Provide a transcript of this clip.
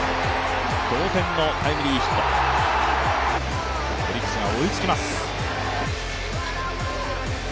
同点のタイムリーヒット、オリックスが追いつきます。